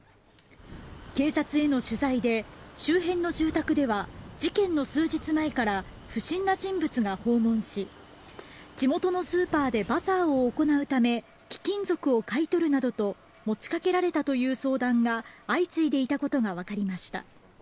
警察への取材で周辺の住宅では事件の数日前から不審な人物が訪問し地元のスーパーでバザーを行うため貴金属を買い取るなどと持ちかけられたという相談が相次いでいたことがわかりました。